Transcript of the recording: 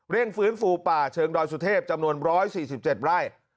ฟื้นฟูป่าเชิงดอยสุเทพจำนวน๑๔๗ไร่